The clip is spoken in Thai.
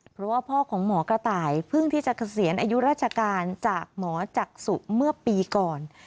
เพราะว่าพ่อของหมอกระต่ายเพิ่งที่จะเกษียณอายุราชการจากหมอจักษุเมื่อปีก่อน